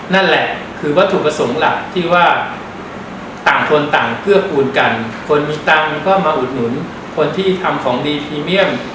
นั่นแหละคือวัตถุประสงค์หลักที่ว่าต่างคนต่างเกื้อกูลกันคนสตังค์ก็มาอุดหนุนคนที่ทำของดีพรีเมียม